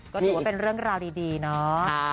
ก็ถือว่าเป็นเรื่องราวดีเนาะ